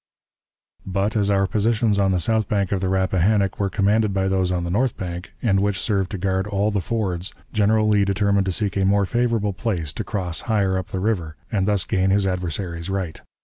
But, as our positions on the south bank of the Rappahannock were commanded by those on the north bank, and which served to guard all the fords, General Lee determined to seek a more favorable place to cross higher up the river, and thus gain his adversary's right.